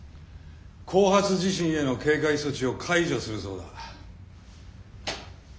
後発地震への警戒措置を解除するそうだ。